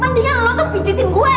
mendingan lu tuh pijetin gue